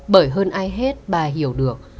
bởi hơn ai hết bà hiểu được